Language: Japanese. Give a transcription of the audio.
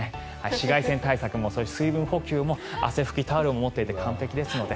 紫外線対策も水分補給も汗拭きタオルも持っていて完璧ですので。